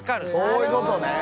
そういうことね。